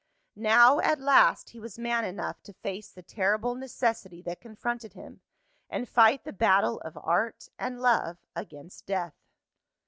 Now at last, he was man enough to face the terrible necessity that confronted him, and fight the battle of Art and Love against Death.